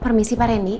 permisi pak randy